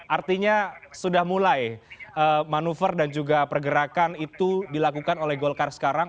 artinya sudah mulai manuver dan juga pergerakan itu dilakukan oleh golkar sekarang